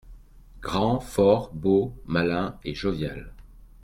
Grand, fort, beau, malin et jovial.